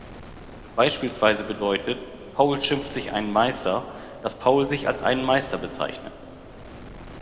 Beispielsweise bedeutet „Paul schimpft sich einen Meister“, dass Paul sich als einen Meister bezeichnet.